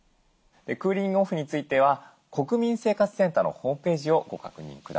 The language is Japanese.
クーリング・オフについては国民生活センターのホームページをご確認ください。